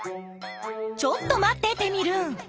ちょっと待ってテミルン！